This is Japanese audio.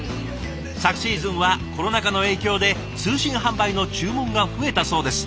昨シーズンはコロナ禍の影響で通信販売の注文が増えたそうです。